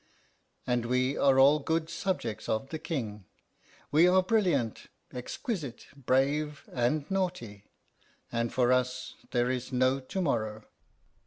And we are all good subjects of the King. We are brilliant, exquisite, brave, and naughty; and for us there is no to morrow."